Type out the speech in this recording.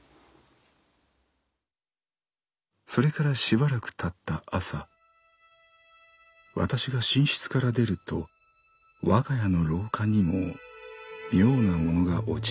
「それからしばらく経った朝わたしが寝室から出ると我が家の廊下にも妙なものが落ちていた。